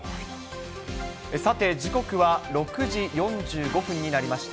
さて、時刻は６時４５分になりました。